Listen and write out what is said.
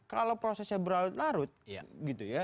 kalau prosesnya berlarut larut gitu ya